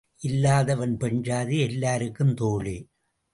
இல்லாதவன் பெண்சாதி எல்லாருக்கும் தோழி.